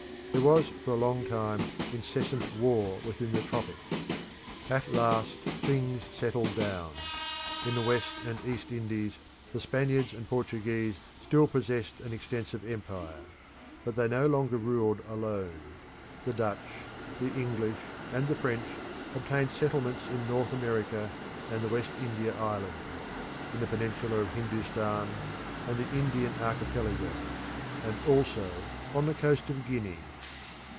There was for a long period incessant war within the tropics. At last things settled down. In the West and East Indies the Spaniards and Portuguese still possessed an extensive empire; but they no longer ruled alone. The Dutch, the English, and the French obtained settlements in North America and the West India Islands, in the peninsula of Hindustan, and the Indian Archipelago; and also on the coast of Guinea.